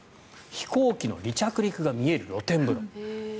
飛行機の離着陸が見える露天風呂。